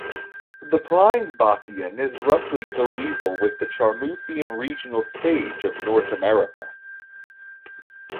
The Pliensbachian is roughly coeval with the Charmouthian regional stage of North America.